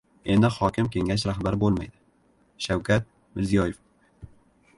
“Endi hokim kengash rahbari bo‘lmaydi” — Shavkat Mirziyoyev